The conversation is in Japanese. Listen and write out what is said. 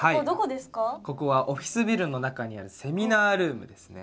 ここはオフィスビルの中にあるセミナールームですね。